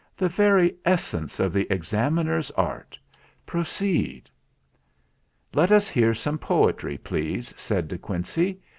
"The very es sence of the Examiner's art. Proceed." "Let us hear some poetry, please," said De Quincey.